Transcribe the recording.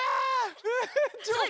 えちょっ。